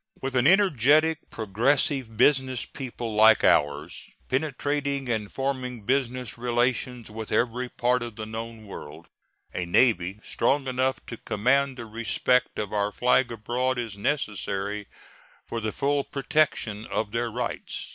With an energetic, progressive, business people like ours, penetrating and forming business relations with every part of the known world, a navy strong enough to command the respect of our flag abroad is necessary for the full protection of their rights.